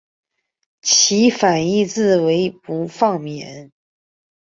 其反义字为不放逸。